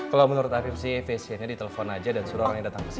kalau menurut afif sih pasiennya ditelepon aja dan suruh orangnya datang ke sini